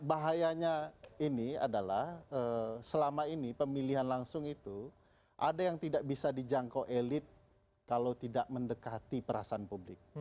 bahayanya ini adalah selama ini pemilihan langsung itu ada yang tidak bisa dijangkau elit kalau tidak mendekati perasaan publik